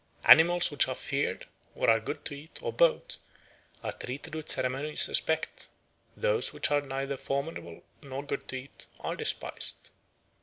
Animals which are feared, or are good to eat, or both, are treated with ceremonious respect; those which are neither formidable nor good to eat are despised.